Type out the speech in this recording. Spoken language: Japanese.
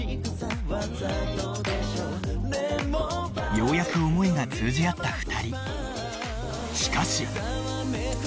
ようやく思いが通じ合った２人